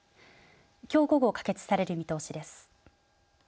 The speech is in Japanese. きょう午後可決される見通しです。